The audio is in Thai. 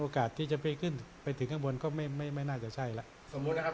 ที่จะไปขึ้นไปถึงข้างบนก็ไม่ไม่น่าจะใช่แล้วสมมุตินะครับ